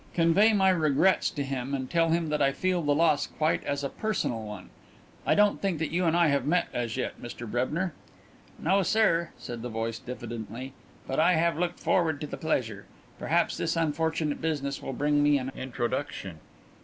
Convey my regrets to him and tell him that I feel the loss quite as a personal one.... I don't think that you and I have met as yet, Mr Brebner?" "No, sir," said the voice diffidently, "but I have looked forward to the pleasure. Perhaps this unfortunate business will bring me an introduction."